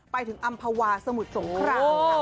ไปถึงอำภาวาสมุดสงคราม